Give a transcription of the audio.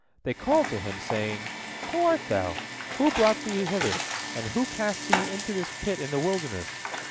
They called to him, saying: "Who art thou? Who brought thee hither, and who cast thee into this pit in the wilderness?"